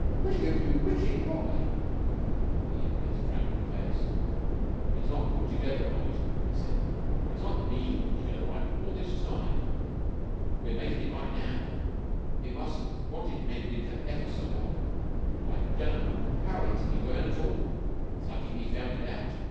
"William! You wicked boy!" William raised a frowning face. "It's not put together right," he said, "it's not been put together right all this time. We're makin' it right now. It must have wanted mendin' for ever so long. I dunno how it's been goin' at all. It's lucky we found it out.